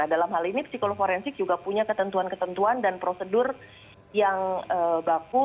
dalam hal ini psikolog forensik juga punya ketentuan ketentuan dan prosedur yang baku